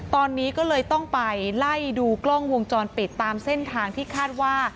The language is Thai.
ตอนนี้ก็เลยต้องไปไล่ดูกล้องวงจรปิดตามเส้นทางที่คาดว่า